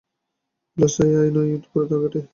Bull's-eye নয়, পুরো টার্গেটই।